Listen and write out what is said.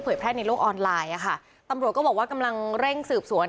แพร่ในโลกออนไลน์อ่ะค่ะตำรวจก็บอกว่ากำลังเร่งสืบสวน